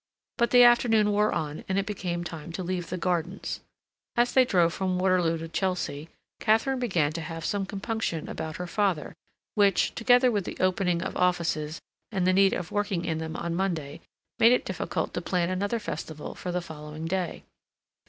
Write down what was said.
But the afternoon wore on, and it became time to leave the gardens. As they drove from Waterloo to Chelsea, Katharine began to have some compunction about her father, which, together with the opening of offices and the need of working in them on Monday, made it difficult to plan another festival for the following day.